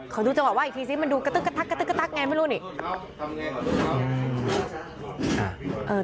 ดูจังหวะว่าอีกทีซิมันดูกระตึ๊กกระตึ๊กระตั๊กไงไม่รู้นี่